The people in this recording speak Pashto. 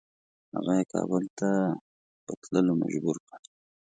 هغه یې کابل ته په تللو مجبور کړ.